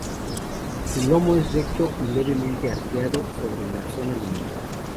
Su lomo es recto y levemente arqueado sobre la zona lumbar.